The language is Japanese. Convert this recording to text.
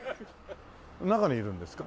中にいるんですか？